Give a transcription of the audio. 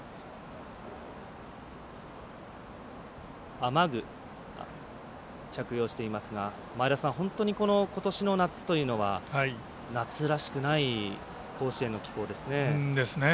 雨具を着用していますが前田さん、ことしの夏というのは夏らしくない甲子園の気候ですね。